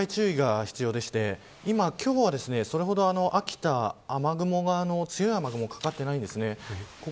今週もう一回注意が必要でして今日は、それほど秋田強い雨雲かかってないんですね。